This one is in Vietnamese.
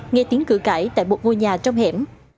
nghe tiếng cửa cãi tại một vô nhà trong hẻm